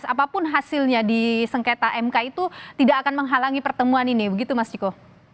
apapun hasilnya di sengketa mk itu tidak akan menghalangi pertemuan ini begitu mas ciko